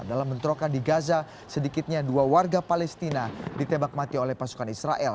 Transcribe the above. dalam mentrokan di gaza sedikitnya dua warga palestina ditembak mati oleh pasukan israel